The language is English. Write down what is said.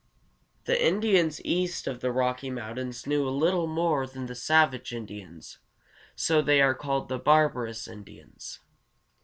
The Indians east of the Rocky Mountains knew a little more than the savage Indians, so they are called the barbarous Indians.